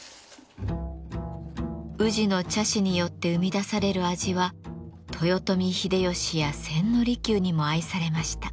宇治の茶師によって生み出される味は豊臣秀吉や千利休にも愛されました。